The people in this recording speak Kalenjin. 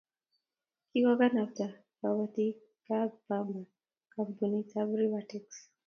Kikokanabta kobotikab pamba kampunitab Rivatex